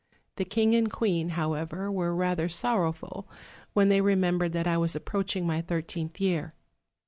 Thn king and queen, however, were rather sorrowful when they re membered that I was approaching my thirteenth year.